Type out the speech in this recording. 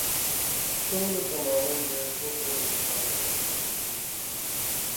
ټولو ته معلوم دی، ټرو پرو انسان دی.